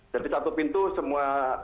jadi satu pintu semua